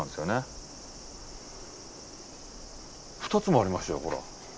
２つもありますよほら。